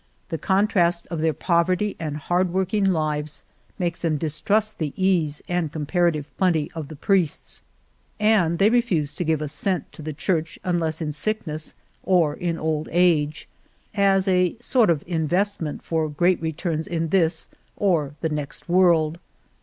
The contrast of their poverty and hard working lives makes them distrust the ease and comparative plenty of the priests, and they refuse to give a cent to the Church unless in sickness or in old age, as a sort of investment for great re turns in this or the next world.